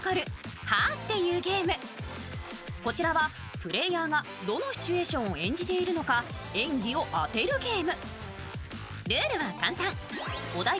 プレーヤーがどのシチュエーションを演じているのか演技を当てるゲーム。